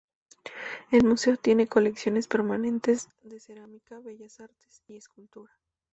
El museo tiene colecciones permanentes de cerámica, bellas artes y escultura.